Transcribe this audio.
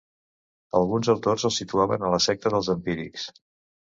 Alguns autors el situaven a la secta dels empírics.